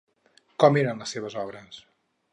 Com eren les seves obres?